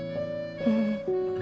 うん。